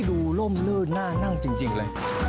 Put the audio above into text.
ดูล่มเลิกหน้านั่งจริงเลย